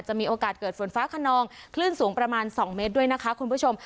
มีโอกาสเกิดฝนฟ้าขนองคลื่นสูงประมาณ๒เมตรด้วยนะคะคุณผู้ชม